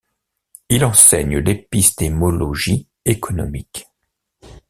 Il enseigne l'épistémologie économique.